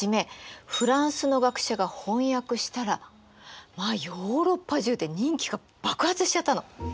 フランスの学者が翻訳したらまあヨーロッパ中で人気が爆発しちゃったの。